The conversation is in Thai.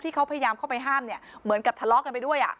ที่เขาพยายามเข้าไปห้ามเนี่ยเหมือนกับทะเลาะกันไปด้วย